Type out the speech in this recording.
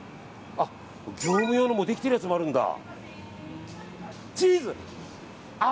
業務用のもできてるやつもあるんだ。